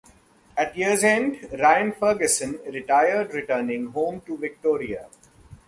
At years End, Ryan Ferguson retired returning home to Victoria.